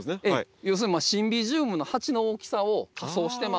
要するにシンビジウムの鉢の大きさを仮想してます。